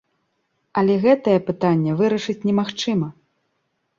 Але гэтае пытанне вырашыць немагчыма.